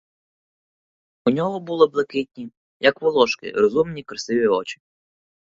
У нього були блакитні, як волошки, розумні, красиві очі.